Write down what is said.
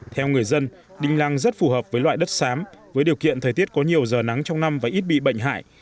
theo người dân đinh lăng rất phù hợp với loại đất sám với điều kiện thời tiết có nhiều giờ nắng trong năm và ít bị bệnh hại